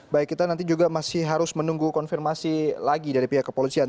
baik kita nanti juga masih harus menunggu konfirmasi lagi dari pihak kepolisian